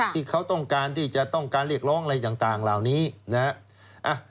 ที่เขาต้องการที่จะต้องการเรียกร้องอะไรต่างเหล่านี้นะฮะ